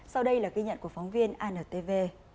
sau đây là ghi nhận của phóng viên antv